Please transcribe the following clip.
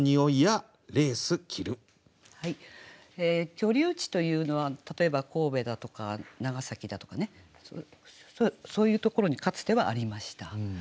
居留地というのは例えば神戸だとか長崎だとかそういうところにかつてはありました。